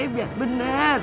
ya biar benar